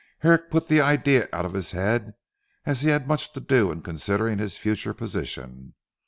Herrick put the idea out of his head, as he had much to do in considering his future position.